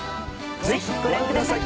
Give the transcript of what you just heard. ぜひご覧ください。